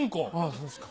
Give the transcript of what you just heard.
そうっすか。